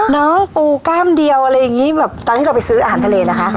น้องปูกล้ามเดียวอะไรอย่างนี้แบบตอนที่เราไปซื้ออาหารทะเลนะคะ